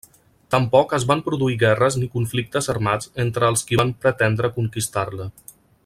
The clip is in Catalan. Tampoc es van produir guerres ni conflictes armats entre els qui van pretendre conquistar-la.